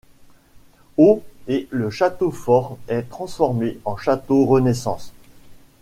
Aux et le château fort est transformé en château Renaissance.